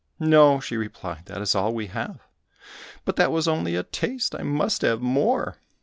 "No," she replied, "that is all we have." "But that was only a taste, I must have more."